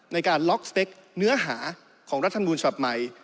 ในการล็อกสเต็กเนื้อหาของรัฐธรรมนูญฉบับใหม่